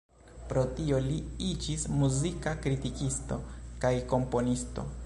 Pro tio li iĝis muzika kritikisto kaj komponisto.